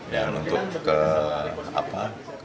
dan untuk ke apa